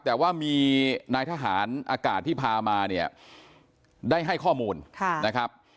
แต่ว่ามีนายทหารอากาศที่พามาเนี่ยได้ให้ข้อมูลนะครับ